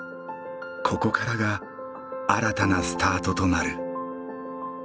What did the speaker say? ここからが新たなスタートとなる。